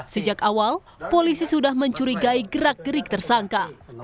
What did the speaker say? sejak awal polisi sudah mencurigai gerak gerik tersangka